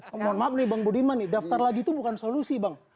mohon maaf nih bang budiman nih daftar lagi itu bukan solusi bang